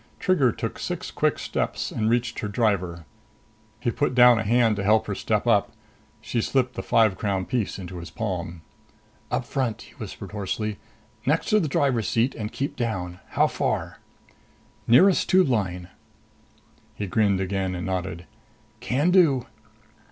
Trigger took six quick steps and reached her driver. He put down a hand to help her step up. She slipped the five crown piece into his palm. "Up front," he whispered hoarsely. "Next to the driver's seat and keep down. How far?" "Nearest tube line." He grinned again and nodded. "Can do."